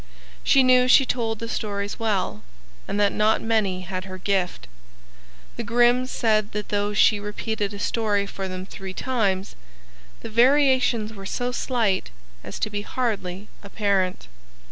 She knew she told the stories well, and that not many had her gift. The Grimms said that though she repeated a story for them three times, the variations were so slight as to be hardly apparent.